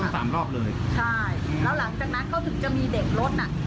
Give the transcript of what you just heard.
สามรอบเลยใช่แล้วหลังจากนั้นเขาถึงจะมีเด็กรถน่ะ